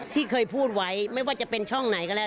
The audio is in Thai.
ที่เคยพูดไว้ไม่ว่าจะเป็นช่องไหนก็แล้ว